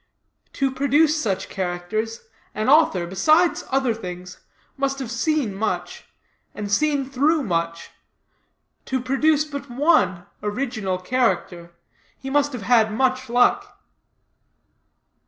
To produce such characters, an author, beside other things, must have seen much, and seen through much: to produce but one original character, he must have had much luck.